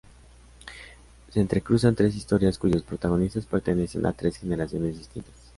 Se entrecruzan tres historias, cuyos protagonistas pertenecen a tres generaciones distintas.